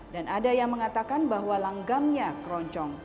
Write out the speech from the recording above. dan ada yang mengatakan bahwa langgamnya keroncong